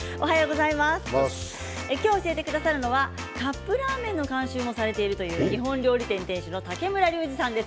今日教えてくださるのはカップラーメンの監修もされているという日本料理店店主の竹村竜二さんです。